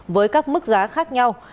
với các mức giá khác nhau